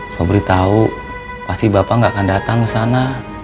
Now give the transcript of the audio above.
sobri tau pasti bapak gak akan datang kesana